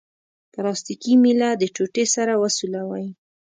پلاستیکي میله د ټوټې سره وسولوئ.